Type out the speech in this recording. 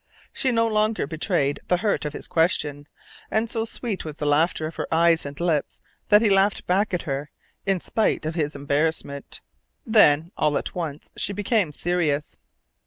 She no longer betrayed the hurt of his question, and so sweet was the laughter of her eyes and lips that he laughed back at her, in spite of his embarrassment. Then, all at once, she became serious.